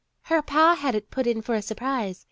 "Her pa had it put in for a surprise.